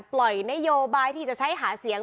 นโยบายที่จะใช้หาเสียง